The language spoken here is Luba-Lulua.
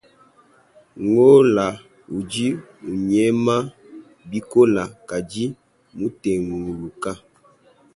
Gola udi unyema bikola kadi mutenguluka.